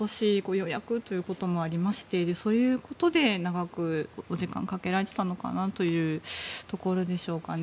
ようやくということもありましてそういうことで長くお時間をかけられていたのかなというところでしょうかね。